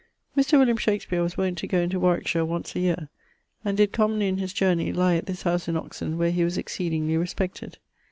Mr. William Shakespeare was wont to goe into Warwickshire once a yeare, and did commonly in his journey lye at this house in Oxon. where he was exceedingly respected.